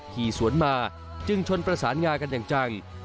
ขี่สวนมาจึงชนประสานงากันอย่างจัง